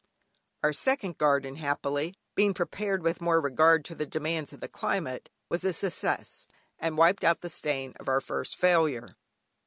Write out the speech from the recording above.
Our second garden, happily, being prepared with more regard to the demands of the climate, was a success, and wiped out the stain of our first failure.